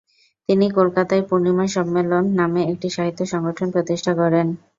তিনি কলকাতায় পূর্ণিমা সম্মেলন নামে একটি সাহিত্য সংগঠন প্রতিষ্ঠা করেন।